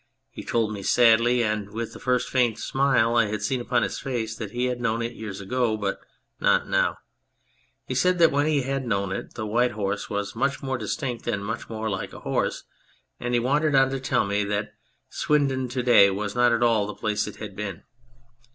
He told me sadly, and with the first faint smile I had seen upon his face, that he had known it years ago, but " not now." He said that when he had known it the White Horse was much more distinct and much more like a horse, and he wandered on to tell me that Swindon to day was not at all the place it had been.